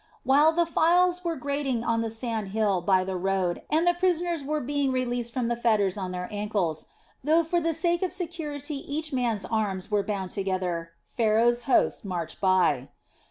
While the files were grating on the sand hill by the road and the prisoners were being released from the fetters on their ancles, though for the sake of security each man's arms were bound together, Pharaoh's host marched by.